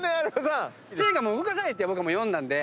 知念が動かさないって僕は読んだんで。